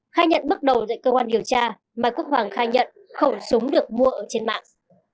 khai nhận bước đầu tại cơ quan điều tra mai quốc hoàng khai nhận khẩu súng được mua ở trên mạng